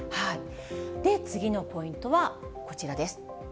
次のポイントはこちらです。